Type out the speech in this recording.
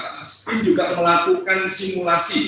kami juga melakukan simulasi